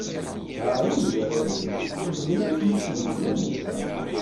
Haṛun d warraw-is xedmen akken i sen-d-inna Musa.